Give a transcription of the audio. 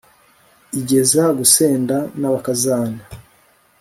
igeza gusenda n'abakazana